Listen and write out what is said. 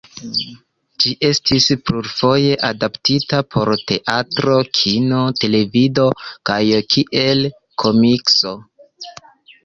Ĝi estis plurfoje adaptita por teatro, kino, televido kaj kiel komikso.